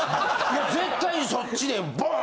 絶対そっちでボーン！